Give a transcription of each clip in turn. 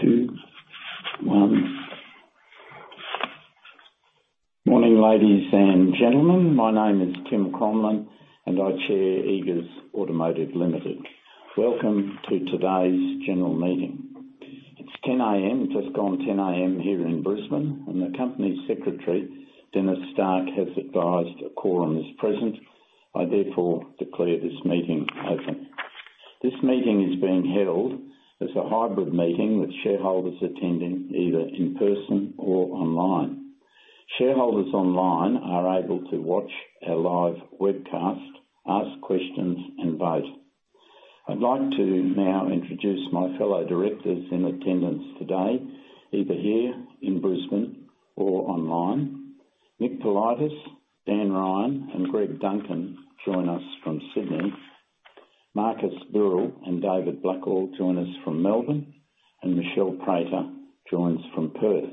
Two, one. Morning, ladies and gentlemen. My name is Timothy Crommelin, and I chair Eagers Automotive Limited. Welcome to today's general meeting. It's 10 A.M., just gone 10 A.M. here in Brisbane, and the company secretary, Denis Stark, has advised a quorum is present. I therefore declare this meeting open. This meeting is being held as a hybrid meeting, with shareholders attending either in person or online. Shareholders online are able to watch a live webcast, ask questions, and vote. I'd like to now introduce my fellow directors in attendance today, either here in Brisbane or online. Nick Politis, Daniel Ryan, and Gregory Duncan join us from Sydney. Marcus Birrell and David Blackhall join us from Melbourne, and Michelle Prater joins from Perth.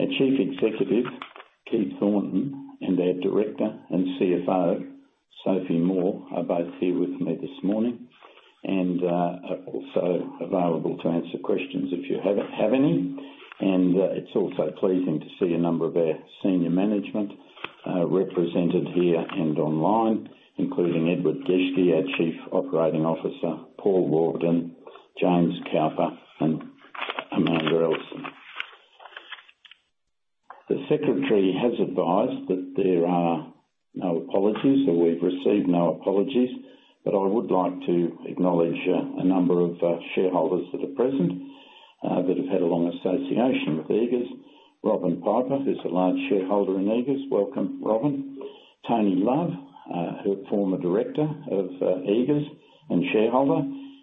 Our Chief Executive, Keith Thornton, and our director and CFO, Sophie Moore, are both here with me this morning and are also available to answer questions if you have any. It's also pleasing to see a number of our senior management represented here and online, including Edward Geschke, our Chief Operating Officer, Paul Warden, James Couper, and Amanda Ellison. The secretary has advised that there are no apologies, or we've received no apologies, but I would like to acknowledge a number of shareholders that are present that have had a long association with Eagers. Robyn Piper, who's a large shareholder in Eagers. Welcome, Robyn. Tony Love, a former director of Eagers and shareholder,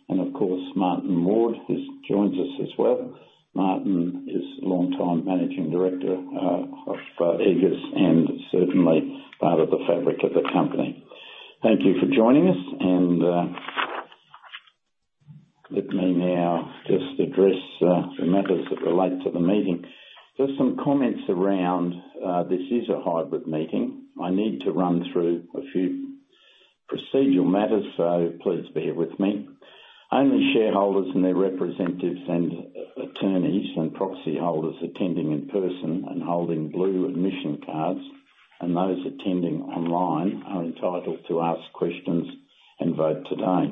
and of course, Martin Ward, who joins us as well. Martin is a long-time Managing Director of Eagers and certainly part of the fabric of the company. Thank you for joining us, and let me now just address the matters that relate to the meeting. Just some comments around this is a hybrid meeting. I need to run through a few procedural matters, so please bear with me. Only shareholders and their representatives and attorneys and proxy holders attending in person and holding blue admission cards, and those attending online, are entitled to ask questions and vote today.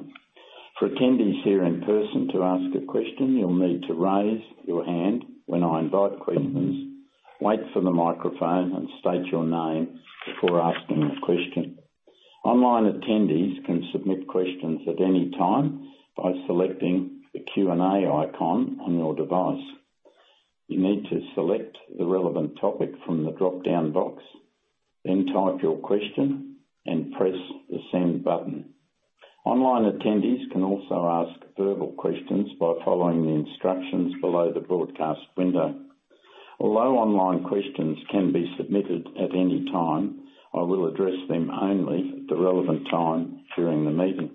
For attendees here in person, to ask a question, you'll need to raise your hand when I invite questions, wait for the microphone, and state your name before asking a question. Online attendees can submit questions at any time by selecting the Q&A icon on your device. You need to select the relevant topic from the dropdown box, then type your question and press the Send button. Online attendees can also ask verbal questions by following the instructions below the broadcast window. Although online questions can be submitted at any time, I will address them only at the relevant time during the meeting.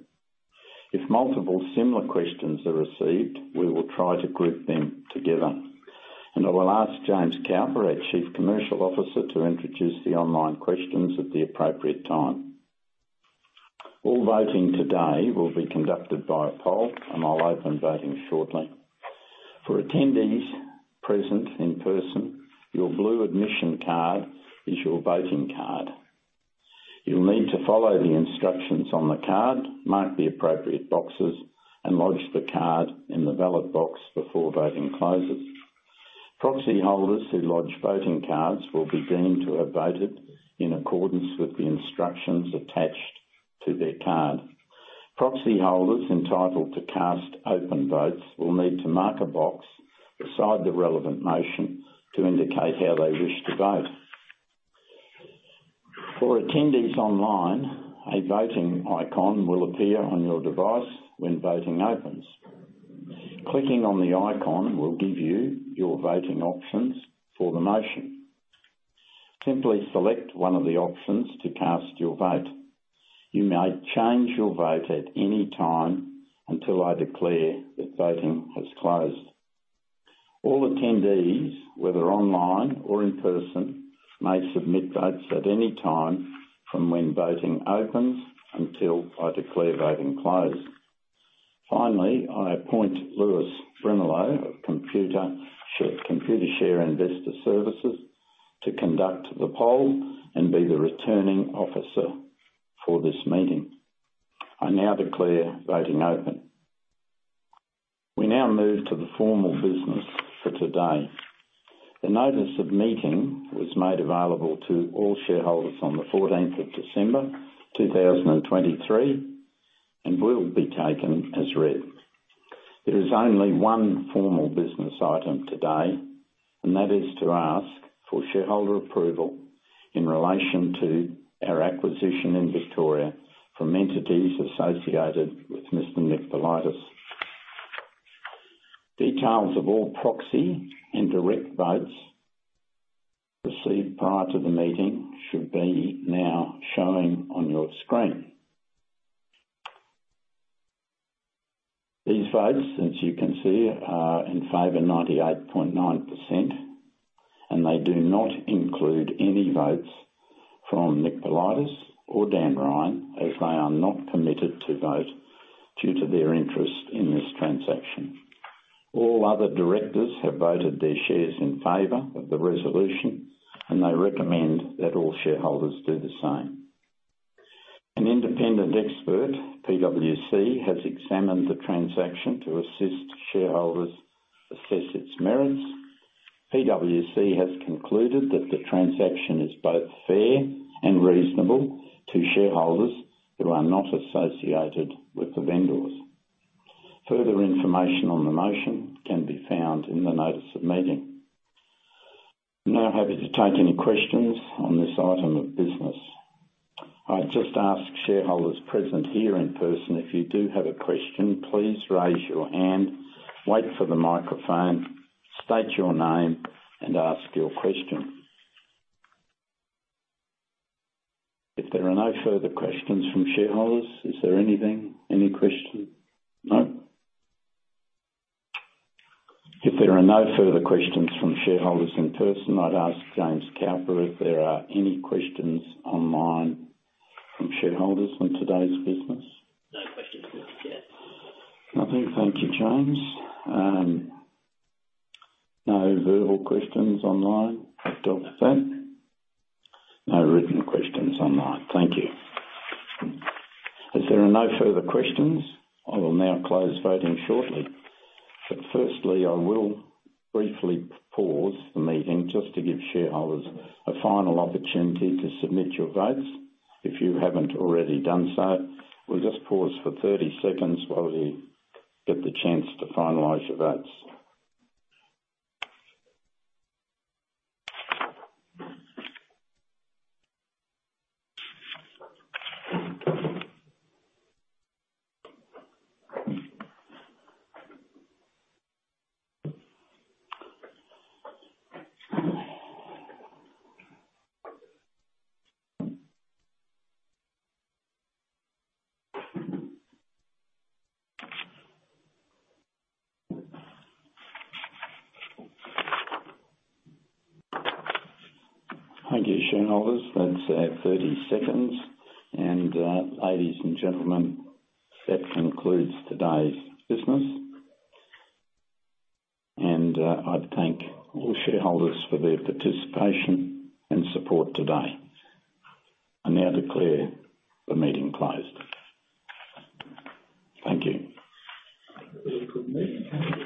If multiple similar questions are received, we will try to group them together. I will ask James Couper, our Chief Commercial Officer, to introduce the online questions at the appropriate time. All voting today will be conducted via poll, and I'll open voting shortly. For attendees present in person, your blue admission card is your voting card. You'll need to follow the instructions on the card, mark the appropriate boxes, and lodge the card in the ballot box before voting closes. Proxy holders who lodge voting cards will be deemed to have voted in accordance with the instructions attached to their card. Proxy holders entitled to cast open votes will need to mark a box beside the relevant motion to indicate how they wish to vote. For attendees online, a voting icon will appear on your device when voting opens. Clicking on the icon will give you your voting options for the motion. Simply select one of the options to cast your vote. You may change your vote at any time until I declare that voting has closed. All attendees, whether online or in person, may submit votes at any time from when voting opens until I declare voting closed. Finally, I appoint Lewis Brimelow of Computershare Investor Services, to conduct the poll and be the returning officer for this meeting. I now declare voting open. We now move to the formal business for today. The notice of meeting was made available to all shareholders on the 14th of December 2023, and will be taken as read. There is only one formal business item today, and that is to ask for shareholder approval in relation to our acquisition in Victoria from entities associated with Mr. Nick Politis. Details of all proxy and direct votes received prior to the meeting should be now showing on your screen. These votes, as you can see, are in favor, 98.9% and they do not include any votes from Nick Politis or Dan Ryan, as they are not committed to vote due to their interest in this transaction. All other directors have voted their shares in favor of the resolution, and they recommend that all shareholders do the same. An independent expert, PwC, has examined the transaction to assist shareholders assess its merits. PwC has concluded that the transaction is both fair and reasonable to shareholders who are not associated with the vendors. Further information on the motion can be found in the notice of meeting. I'm now happy to take any questions on this item of business. I'd just ask shareholders present here in person, if you do have a question, please raise your hand, wait for the microphone, state your name, and ask your question. If there are no further questions from shareholders, is there anything, any question? No? If there are no further questions from shareholders in person, I'd ask James Couper if there are any questions online from shareholders on today's business. No questions as yet. Nothing. Thank you, James. No verbal questions online? I've got that. No written questions online. Thank you. If there are no further questions, I will now close voting shortly. But firstly, I will briefly pause the meeting just to give shareholders a final opportunity to submit your votes if you haven't already done so. We'll just pause for 30 seconds while you get the chance to finalize your votes. Thank you, shareholders. That's 30 seconds. And, ladies and gentlemen, that concludes today's business. And, I thank all shareholders for their participation and support today. I now declare the meeting closed. Thank you. Have a good meeting.